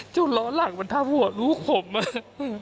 จนล้อหลังมันทัพว่าลูกผมอ่ะ